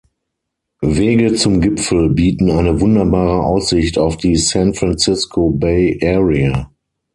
Wege zum Gipfel bieten eine wunderbare Aussicht auf die San Francisco Bay Area.